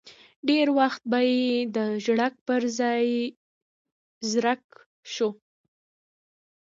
ډېری وخت به یې د ژړک پر ځای زرک شو.